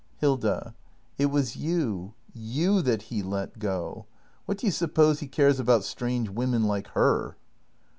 Hilda. It was you — you that he let go! What do you suppose he cares about strange women like her?